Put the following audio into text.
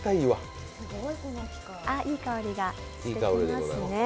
いい香りがしてきますね。